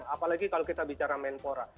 apalagi kalau kita bicara menpora